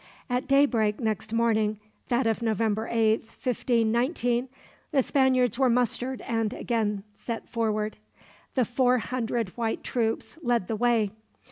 At daybreak next morning, that of November 8th, 1519, the Spaniards were mustered and again set forward. The four hundred white troops led the way.